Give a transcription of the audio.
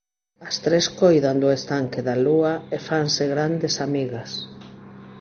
As tres coidan do estanque da lúa e fanse grandes amigas.